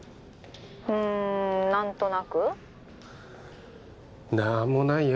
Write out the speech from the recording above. ☎うん何となく何もないよ